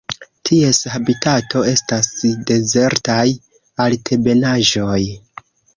Ties habitato estas dezertaj altebenaĵoj.